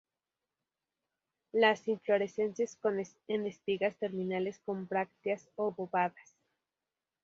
Las inflorescencias en espigas terminales, con brácteas obovadas.